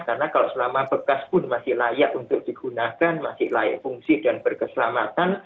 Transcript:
karena kalau selama bekas pun masih layak untuk digunakan masih layak fungsi dan berkeselamatan